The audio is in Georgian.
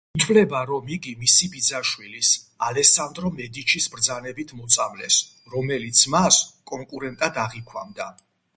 ითვლება, რომ იგი მისი ბიძაშვილის, ალესანდრო მედიჩის ბრძანებით მოწამლეს, რომელიც მას კონკურენტად აღიქვამდა.